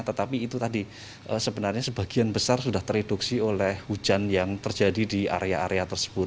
tetapi itu tadi sebenarnya sebagian besar sudah tereduksi oleh hujan yang terjadi di area area tersebut